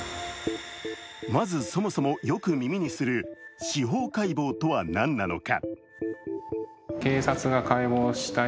まずそもそも、よく耳にする司法解剖とは何なのか。